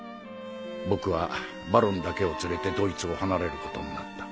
僕はバロンだけを連れてドイツを離れることになった。